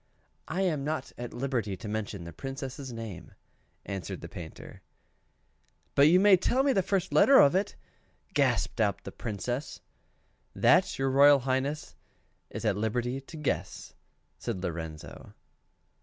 "I am not at liberty to mention the Princess' name," answered the Painter. "But you may tell me the first letter of it," gasped out the Princess. "That your Royal Highness is at liberty to guess," says Lorenzo.